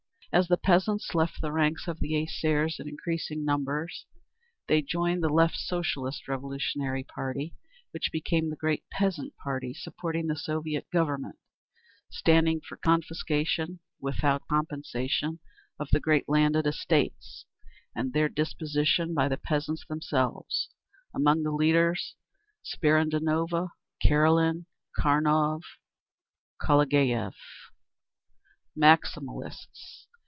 As the peasants left the ranks of the Essaires in increasing numbers, they joined the Left Socialist Revolutionary party, which became the great peasant party supporting the Soviet Government, standing for confiscation without compensation of the great landed estates, and their disposition by the peasants themselves. Among the leaders: Spiridonova, Karelin, Kamkov, Kalagayev. b. _Maximalists.